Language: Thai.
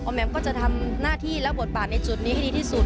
แมมก็จะทำหน้าที่และบทบาทในจุดนี้ให้ดีที่สุด